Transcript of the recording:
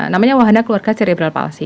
namanya wahana keluarga cerebral palsi